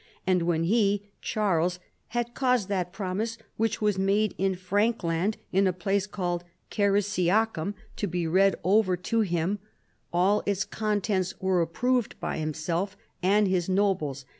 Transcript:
And when he (Charles) had caused that promise which was made in Frank land in a place called Carjsiacnm to be read over to 128 CHARLEMAGNE. him, all its contents were approved by himself and his nobles.